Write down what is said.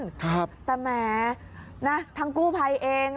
พ่อทุ่มโทษครับแต่แหมทางกู้ภัยเอง